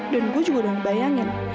dan gue juga udah ngebayangin